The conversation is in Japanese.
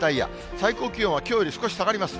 最高気温はきょうより少し下がります。